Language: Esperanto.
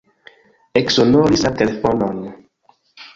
Eksonoris la telefono.